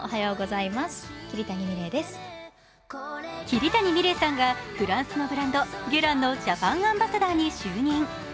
桐谷美玲さんがフランスのブランド、ゲランのジャパンアンバサダーに就任。